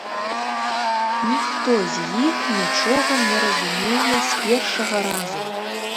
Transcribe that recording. Ніхто з іх нічога не разумее з першага разу.